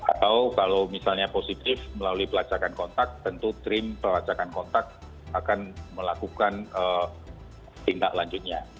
atau kalau misalnya positif melalui pelacakan kontak tentu trim pelacakan kontak akan melakukan tindak lanjutnya